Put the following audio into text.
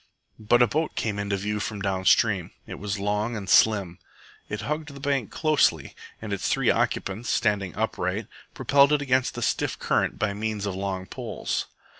But a boat came into view from downstream. It was long and slim. It hugged the bank closely, and its three occupants, standing upright, propelled it against the stiff current by means of long poles.